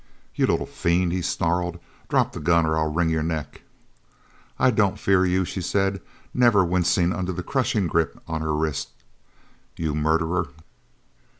"You little fiend," he snarled, "drop the gun, or I'll wring your neck." "I don't fear you," she said, never wincing under the crushing grip on her wrists, "you murderer!"